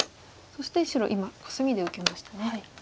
そして白今コスミで受けましたね。